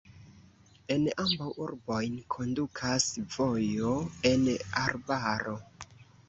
En ambaŭ urbojn kondukas vojo en arbaro.